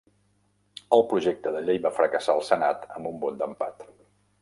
El projecte de llei va fracassar al senat amb un vot d'empat.